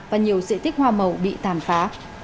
và nhiều diện tích hoa màu bị tàn phá